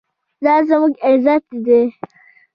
دا زموږ عزت دی